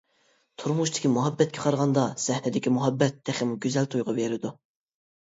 تۇرمۇشتىكى مۇھەببەتكە قارىغاندا سەھنىدىكى مۇھەببەت تېخىمۇ گۈزەل تۇيغۇ بېرىدۇ.